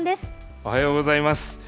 おはようございます。